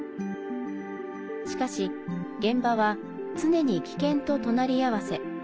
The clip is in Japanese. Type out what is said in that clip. しかし、現場は常に危険と隣り合わせ。